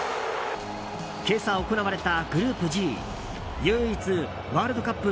今朝行われたグループＧ唯一ワールドカップ